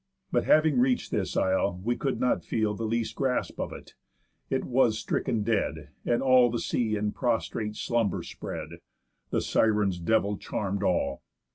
But having reach'd this isle, we could not feel The least gasp of it, it was stricken dead, And all the sea in prostrate slumber spread, The Sirens' devil charm'd all.